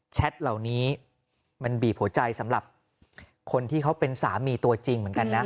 เหล่านี้มันบีบหัวใจสำหรับคนที่เขาเป็นสามีตัวจริงเหมือนกันนะ